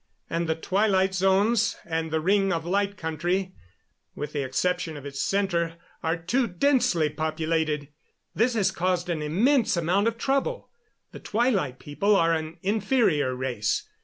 And the twilight zones, and the ring of Light Country, with the exception of its center, are too densely populated. This has caused an immense amount of trouble. The Twilight People are an inferior race.